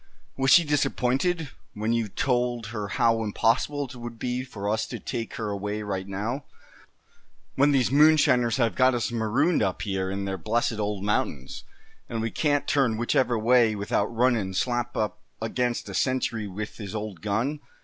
"Was she disappointed when you told her how impossible it would be for us to take her away right now, when these moonshiners have got us marooned up here in their blessed old mountains; and we can't turn whichever way without runnin' slap up against a sentry with his old gun?"